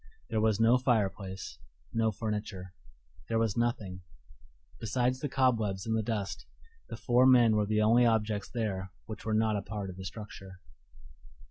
There was no fireplace, no furniture; there was nothing: besides the cobwebs and the dust, the four men were the only objects there which were not a part of the structure.